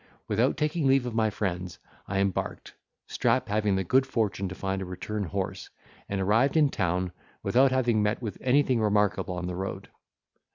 Without taking leave of my friends, I embarked, Strap having the good fortune to find a return horse, and arrived in town, without having met with anything remarkable on the road.